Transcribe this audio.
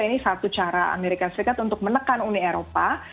ini satu cara amerika serikat untuk menekan uni eropa